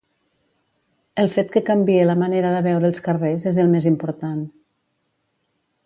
El fet que canvie la manera de veure els carrers és el més important.